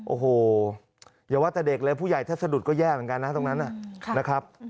โอ้โหอย่าว่าแต่เด็กเลยผู้ใหญ่ถ้าสะดุดก็แย่เหมือนกันนะตรงนั้นนะครับ